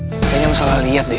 kayaknya misalnya liat deh